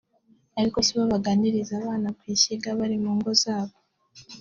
ariko sibo baganiriza abana ku ishyiga bari mu ngo zabo